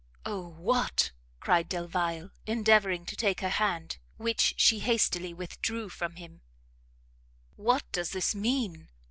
"Oh what," cried Delvile, endeavouring to take her hand, which she hastily withdrew from him, "what does this mean?